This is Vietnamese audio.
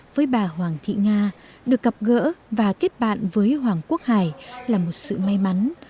với bà hoàng thị nga được gặp gỡ và kết bạn với hoàng quốc hải là một sự may mắn